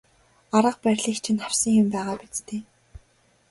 Арга барилыг чинь авсан юм байгаа биз дээ.